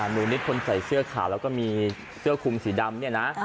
หนูนิดคนใส่เสื้อขาวแล้วก็มีเสื้อคุมสีดำเนี่ยนะ